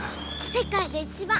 世界で一番！